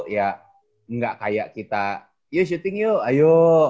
ya gak kayak kita yuk shooting yuk ayo